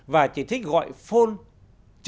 và chỉ thích gọi phone chứ không thích đi du lịch